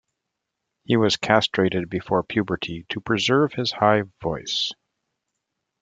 He was castrated before puberty to preserve his high voice.